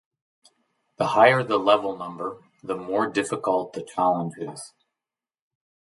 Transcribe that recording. The higher the level number, the more difficult the challenge is.